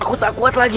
aku tak kuat lagi